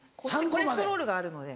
コレステロールがあるので。